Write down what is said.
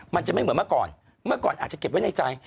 มันจะไม่เหมือนเมื่อก่อนเมื่อก่อนอาจจะเก็บไว้ในใจ